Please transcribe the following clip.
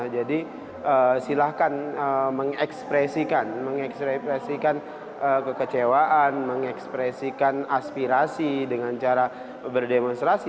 jadi silakan mengekspresikan kekecewaan mengekspresikan aspirasi dengan cara berdemonstrasi